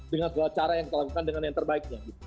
dengan segala cara yang kita lakukan dengan yang terbaiknya